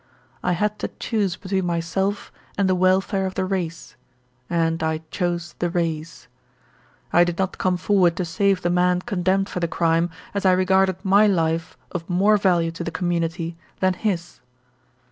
I had to choose between myself and the welfare of the race, and I chose the race. I did not come forward to save the man condemned for the crime, as I regarded my life of more value to the community than his.